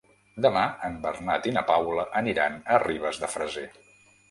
Demà en Bernat i na Paula aniran a Ribes de Freser.